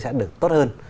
sẽ được tốt hơn